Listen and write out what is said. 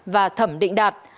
và thẩm định đạt